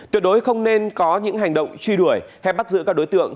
tuyệt đối không nên có những hành động truy đuổi hay bắt giữ các đối tượng